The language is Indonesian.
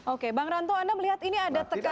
oke bang ranto anda melihat ini ada tekanan